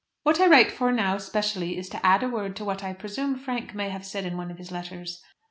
What I write for now, specially, is to add a word to what I presume Frank may have said in one of his letters.